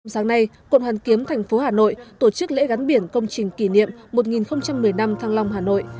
sáng nay cộng hàn kiếm tp hà nội tổ chức lễ gắn biển công trình kỷ niệm một nghìn một mươi năm thăng long hà nội